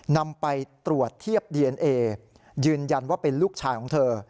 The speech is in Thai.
นำไปตรวจเทียบดีเอนเอยืนยันว่าเป็นลูกชายของเธอ